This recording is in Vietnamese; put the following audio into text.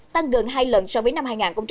tăng gần hai lần so với năm hai nghìn một mươi